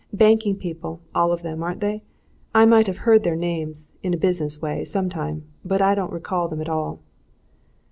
"Banking people, all of them, aren't they? I might have heard their names, in a business way, some time but I don't recall them at all."